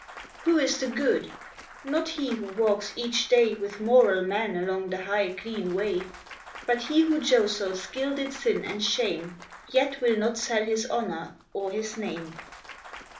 Who is the good? Not he who walks each day With moral men along the high, clean way; But he who jostles gilded sin and shame, Yet will not sell his honor or his name.